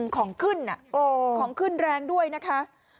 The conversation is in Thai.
ของขึ้นของขึ้นแรงด้วยนะคะ